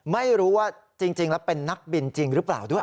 ไม่รู้ว่าจริงแล้วเป็นนักบินจริงหรือเปล่าด้วย